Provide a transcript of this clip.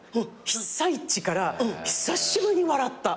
被災地から久しぶりに笑った。